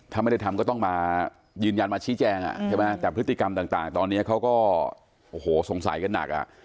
ถ้าไม่ได้ทำก็ต้องยืนยันมาชี้แจ้งแต่พฤติกรรมต่างตอนนี้เขาก็สงสัยกันหนัก